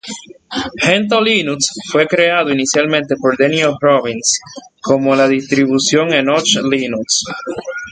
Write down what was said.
Gentoo Linux fue creado inicialmente por Daniel Robbins como la distribución Enoch Linux.